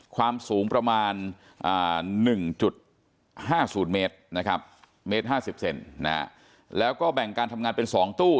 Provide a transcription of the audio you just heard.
ความสูงประมาณ๑๕๐เมตรแล้วก็แบ่งการทำงานเป็น๒ตู้